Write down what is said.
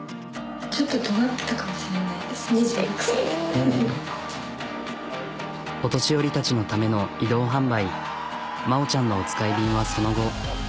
ちょっとお年寄りたちのための移動販売まおちゃんのおつかい便はその後。